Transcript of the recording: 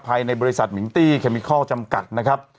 ภายในบริษัทมิงตี้เคมิคอลจำกัดนะครับ